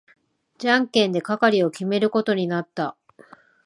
じゃんけんで係を決めることになった。